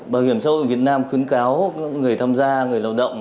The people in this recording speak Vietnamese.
bảo hiểm xã hội việt nam khuyến cáo người tham gia người lao động